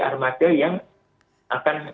armada yang akan